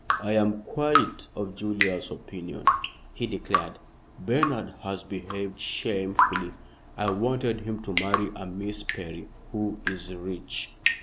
"I am quite of Julius's opinion," he declared. "Bernard has behaved shamefully. I wanted him to marry a Miss Perry, who is rich."